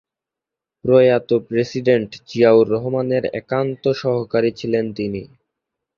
প্রয়াত প্রেসিডেন্ট জিয়াউর রহমানের একান্ত সহকারী ছিলেন তিনি।